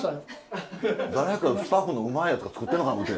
誰かスタッフのうまいやつが作ってんのかな思って。